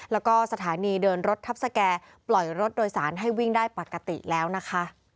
แล้วก็สถานีเดินรถทัพสแก่ปล่อยรถโดยสารให้วิ่งได้ปกติแล้วนะคะ